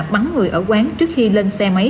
bắn người ở quán trước khi lên xe máy